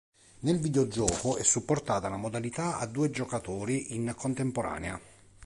Nel videogioco è supportata la modalità a due giocatori in contemporanea.